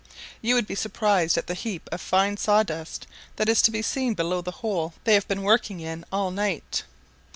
You would be surprised at the heap of fine saw dust that is to be seen below the hole they have been working in all night.